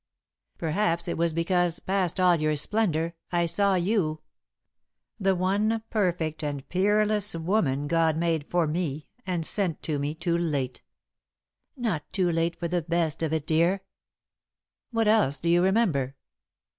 "Perhaps it was because, past all your splendour, I saw you the one perfect and peerless woman God made for me and sent to me too late." [Sidenote: Kisses] "Not too late for the best of it, dear." "What else do you remember?"